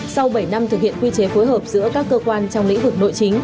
sau bảy năm thực hiện quy chế phối hợp giữa các cơ quan trong lĩnh vực nội chính